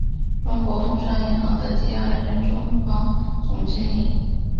中国通商银行的第二任中方总经理。